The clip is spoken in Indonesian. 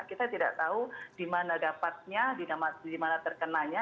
kita tidak tahu di mana dapatnya di mana terkenanya